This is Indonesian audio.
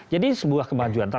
jadi sebuah kemajuan